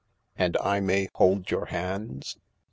" And I may hold your hands."